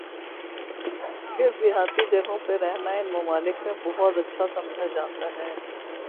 پھر بھی دیہاتی جگہوں پہ رہنا ان ممالک میں بہت اچھا سمجھا جاتا ہے۔